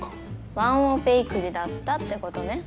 ワンオペ育児だったってことね。